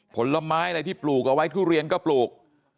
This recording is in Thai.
ผลไม้อะไรที่ปลูกเอาไว้ทุเรียนก็ปลูก